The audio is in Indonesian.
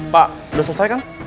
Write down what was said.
pak udah selesai kan